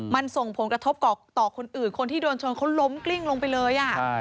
มันส่งผลกระทบต่อคนอื่นคนที่โดนชนเขาล้มกลิ้งลงไปเลย